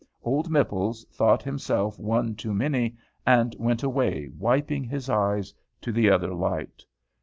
Old Mipples thought himself one too many, and went away, wiping his eyes, to the other light.